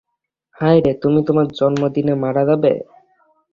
হায়রে, তুমি তোমার জন্মদিনে মারা যাবে!